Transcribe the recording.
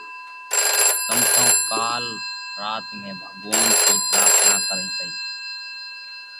ڪم تو ڪال رات، مئين ڀڳوونَ ٿِي پراٿنا ڪرئي تئي